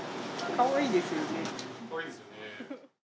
かわいいですよね。